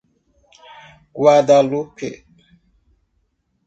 Guadalupe